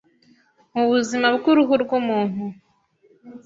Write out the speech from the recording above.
mu buzima bw’uruhu rw’umuntu